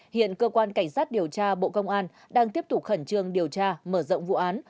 hiện cơ quan cảnh sát điều tra bộ công an đang tiếp tục khẩn trương điều tra mở rộng vụ án